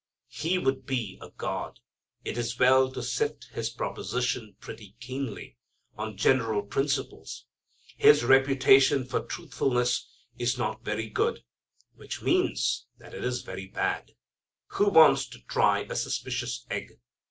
He would be a god. It is well to sift his proposition pretty keenly, on general principles. His reputation for truthfulness is not very good, which means that it is very bad. Who wants to try a suspicious egg?